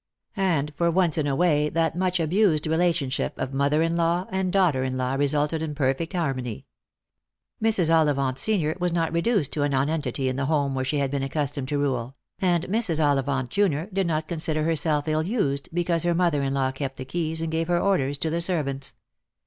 And for once' in a way that much abused relationship of mother in law and daughter in law resulted in perfect harmony. Mrs. Ollivant senior was not reduced to a nonentity in the home where she had been accustomed to rule, and Mrs. Ollivant junior did not consider herself ill used because her mother in law kept the keys and gave her orders to the servants.